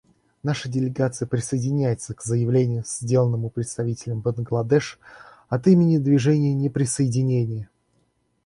Наша делегация присоединяется к заявлению, сделанному представителем Бангладеш от имени Движения неприсоединения.